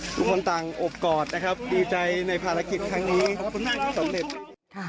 ทุกคนต่างอบกอดนะครับดีใจในภารกิจครั้งนี้สำเร็จ